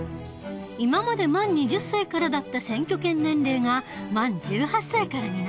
今まで満２０歳からだった選挙権年齢が満１８歳からになった。